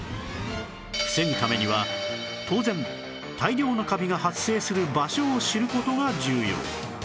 防ぐためには当然大量のカビが発生する場所を知る事が重要